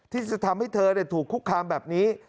ที่จะทำให้เธอถูกคุกคามแบบนี้